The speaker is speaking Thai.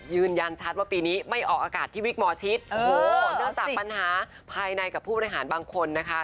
ยืนยันชัดว่าปีนี้ไม่ออกอากาศที่วิกหมอชิตโอ้โหเนื่องจากปัญหาภายในกับผู้บริหารบางคนนะคะ